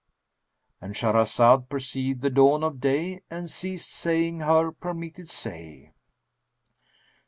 '"—And Shahrazad perceived the dawn of day and ceased saying her permitted say.